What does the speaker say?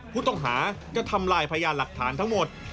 ผู้ต้องหาจะทำลายพยานหลักฐานทั้งหมด